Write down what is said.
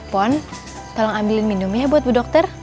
pon tolong ambilin minumnya buat bu dokter